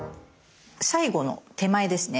最後の手前ですね